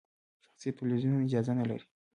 شخصي تلویزیونونه اجازه نلري.